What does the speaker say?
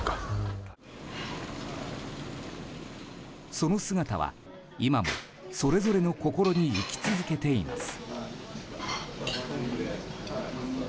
その姿は、今もそれぞれの心に生き続けています。